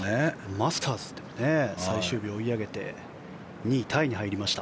マスターズでも最終日、追い上げて２位タイに入りました。